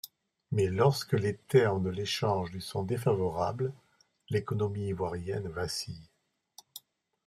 Mais lorsque les termes de l'échange lui sont défavorables, l'économie ivoirienne vacille.